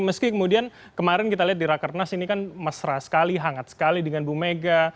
meski kemudian kemarin kita lihat di rakernas ini kan mesra sekali hangat sekali dengan bu mega